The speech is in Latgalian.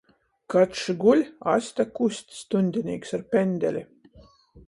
Kačs guļ, aste kust. Stuņdinīks ar pendeli.